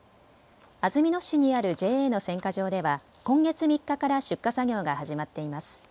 安曇野市にあるＪＡの選果場では今月３日から出荷作業が始まっています。